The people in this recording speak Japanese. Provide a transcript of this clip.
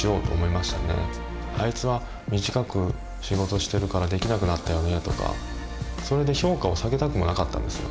「あいつは短く仕事してるからできなくなったよね」とかそれで評価を下げたくもなかったんですよ。